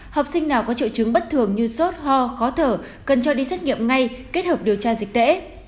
học sinh nào có triệu chứng bất thường như sốt ho khó thở cần cho đi xét nghiệm ngay kết hợp điều tra dịch tễ